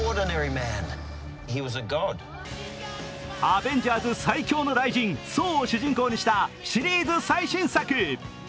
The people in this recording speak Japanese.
アベンジャーズ最強の雷神・ソーを主人公にしたシリーズ最新作。